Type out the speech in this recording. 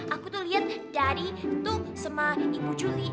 aku tuh liat daddy tuh sama ibu julie